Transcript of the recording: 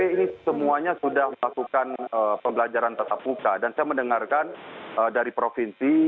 ini semuanya sudah melakukan pembelajaran tetap muka dan saya mendengarkan dari provinsi